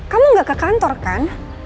kamu gak ke kantor kan